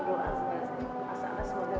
semoga selalu berkesehatan